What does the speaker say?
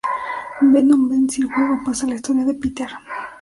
Venom vence y el juego pasa a la historia de Peter.